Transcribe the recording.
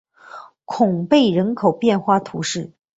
孔贝人口变化图示